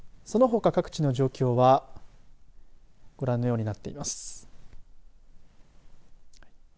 そのほか各地の状況はご覧のようになっています。